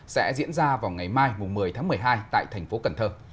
sẽ diễn ra vào ngày mai một mươi tháng một mươi hai tại thành phố cần thơ